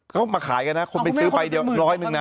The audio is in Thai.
เขามาขายค่ะกันอะคนผู้มาซื้อไป๑๐๐ลูกด้วยนะ